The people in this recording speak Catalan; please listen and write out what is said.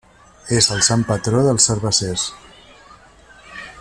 És el sant patró dels cervesers.